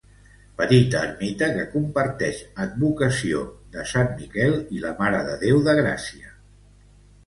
Petita ermita que comparteix advocació de Sant Miquel i la Mare de Déu de Gràcia.